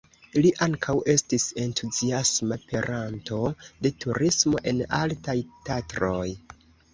Li ankaŭ estis entuziasma peranto de turismo en Altaj Tatroj.